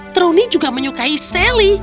truny juga menyukai sally